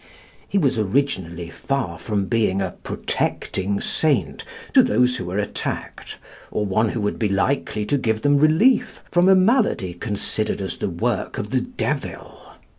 He was originally far from being a protecting saint to those who were attacked, or one who would be likely to give them relief from a malady considered as the work of the devil.